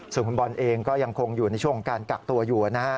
ส่วนคุณบอลเองก็ยังคงอยู่ในช่วงของการกักตัวอยู่นะฮะ